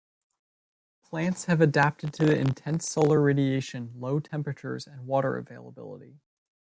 Plants have adapted to the intense solar radiation, low temperatures and water availability.